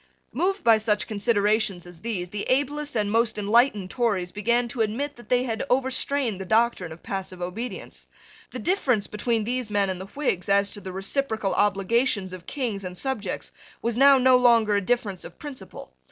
Moved by such considerations as these, the ablest and most enlightened Tories began to admit that they had overstrained the doctrine of passive obedience. The difference between these men and the Whigs as to the reciprocal obligations of Kings and subjects was now no longer a difference of principle.